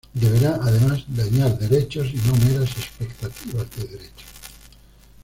Deberá, además, dañar derechos y no meras expectativas de derechos.